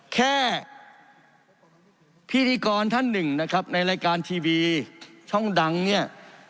แค่พิธีกรท่านหนึ่งนะครับในรายการทีวีช่องดังเนี่ย